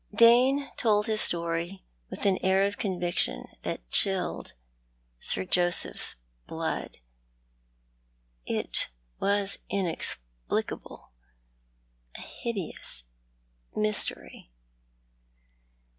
Dane told his story with an air of conviction that chilled Sir Joseph's blood. It was inexplicable— a hideous mystery.